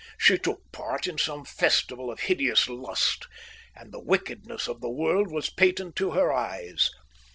She took part in some festival of hideous lust, and the wickedness of the world was patent to her eyes.